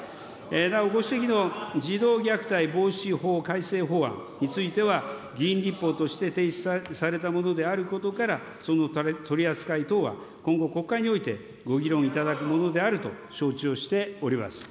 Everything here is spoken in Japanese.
なお、ご指摘の児童虐待防止法改正法案については、議員立法として提出されたものであることから、その取り扱い等は今後、国会においてご議論いただくものであると承知をしております。